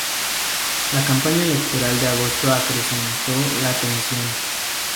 La campaña electoral de agosto acrecentó la tensión.